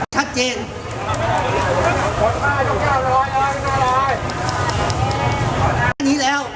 ชัดเจน